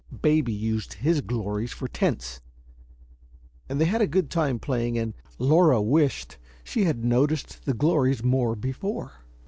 Baby used his glories for tents, and they had a good time playing, and Laura wished she had noticed the glories more before.